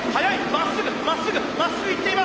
まっすぐまっすぐまっすぐいっています！